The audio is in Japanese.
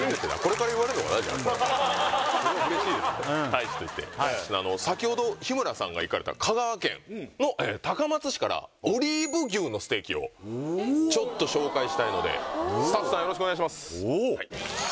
大使として先ほど日村さんが行かれた香川県の高松市からオリーブ牛のステーキをちょっと紹介したいのでスタッフさんよろしくお願いします